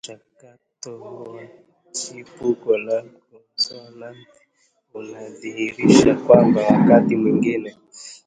Mchakato huu wa chipuko la konsonanti unadhihirisha kwamba wakati mwingine